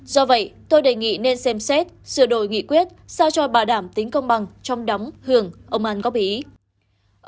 do vậy tôi đề nghị nên xem xét sửa đổi nghị quyết sao cho bà đảm tính công bằng trong đóng hưởng ông an có bí ý